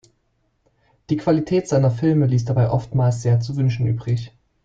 Die Qualität seiner Filme ließ dabei oftmals sehr zu Wünschen übrig.